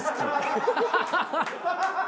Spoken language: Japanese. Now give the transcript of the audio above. ハハハハ！